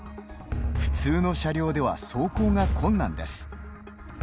普通の車両では走行が困難です。